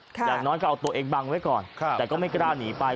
อย่างน้อยก็เอาตัวเองบังไว้ก่อนแต่ก็ไม่กล้าหนีไป